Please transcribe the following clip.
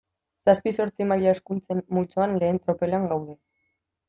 Zazpi-zortzi mila hizkuntzen multzoan lehen tropelean gaude.